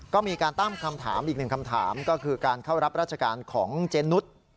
ก็มีการตั้งคำถามอีกหนึ่งคำถามก็คือการเข้ารับราชการของเจนุส